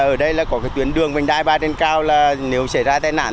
ở đây có tuyến đường vành đai ba trên cao nếu xảy ra tai nạn